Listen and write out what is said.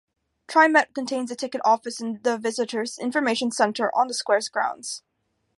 TriMet maintains a ticket office in the Visitor's Information Center on the square's grounds.